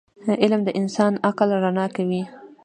علم د انسان عقل رڼا کوي.